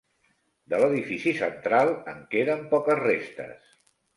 De l'edifici central en queden poques restes.